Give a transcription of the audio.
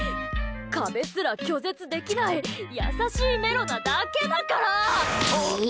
壁すら拒絶できない優しいメロなだけだから！